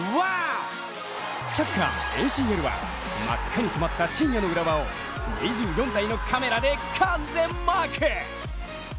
サッカーＡＣＬは真っ赤に染まった深夜の浦和を２４台のカメラで完全マーク。